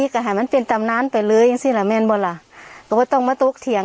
เกิดมาเห็นเลย